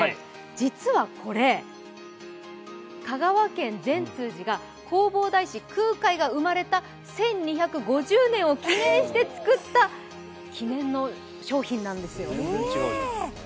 実はこれ、香川県善通寺が弘法大師・空海が生まれた１２５０年を記念して作った記念の商品なんですよ。